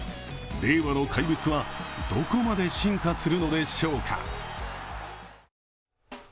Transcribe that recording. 令和の怪物はどこまで進化するのでしょうか。